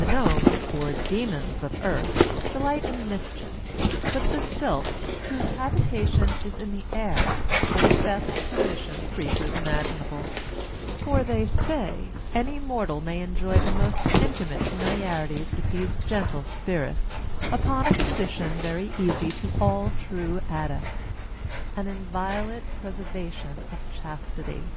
The Gnomes, or Dæmons of earth, delight in mischief; but the Sylphs, whose habitation is in the air, are the best conditioned creatures imaginable; for, they say, any mortal may enjoy the most intimate familiarities with these gentle spirits, upon a condition very easy to all true adepts, an inviolate preservation of chastity.